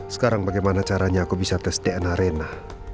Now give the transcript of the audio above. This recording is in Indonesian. sekarang bagaimana caranya aku bisa tes dna rena